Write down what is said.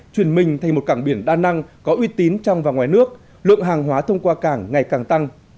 chuyển mình thành một cảng biển đa năng có uy tín trong và ngoài nước lượng hàng hóa thông qua cảng ngày càng tăng